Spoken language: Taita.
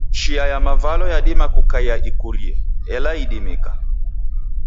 Chia ya mavalo yadima kukaiya ikurie, ela idimika.